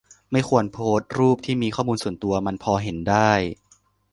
ไม่ควรโพสต์รูปที่มีข้อมูลส่วนตัว มันพอเห็นได้